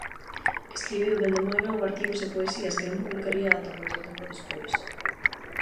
Escribiu dende moi novo artigos e poesías que non publicaría ata moito tempo despois.